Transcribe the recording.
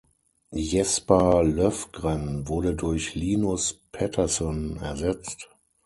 Jesper Löfgren wurde durch Linus Pettersson ersetzt.